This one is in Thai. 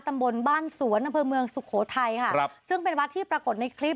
ตำบลบ้านสวนอำเภอเมืองสุโขทัยค่ะครับซึ่งเป็นวัดที่ปรากฏในคลิป